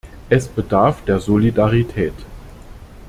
Es bedarf der Solidarität.